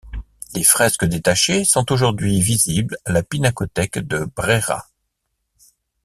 Les fresques détachées, sont aujourd’hui visibles à la Pinacothèque de Brera.